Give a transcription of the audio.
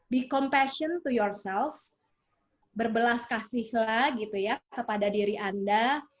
be compassion to yourself berbelas kasihlah kepada diri anda